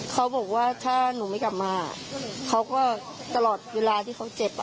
เขาบอกว่าถ้าหนูไม่กลับมาเขาก็ตลอดเวลาที่เขาเจ็บ